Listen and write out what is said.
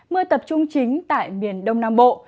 mưa tập trung chính tại miền đông nam bộ